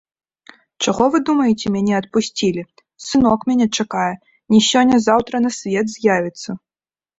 Чаго вы думаеце мяне адпусцілі, сынок мяне чакае, не сёння-заўтра на свет з'явіцца.